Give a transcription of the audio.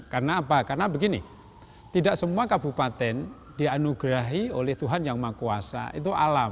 karena apa karena begini tidak semua kabupaten dianugerahi oleh tuhan yang makuasa itu alam